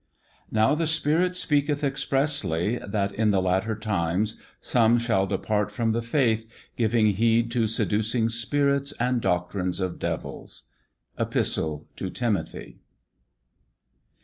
Now the Spirit speaketh expressly, that, in the latter times, some shall depart from the faith, giving heed to seducing spirits and doctrines of devils. Epistle to Timothy.